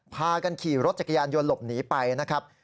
พากันขี่รถจักรยานยนต์หลบหนีไปนะครับ